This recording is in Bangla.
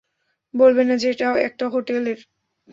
বলবেন না যে একটা হোটেলের।